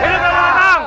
hidup yang datang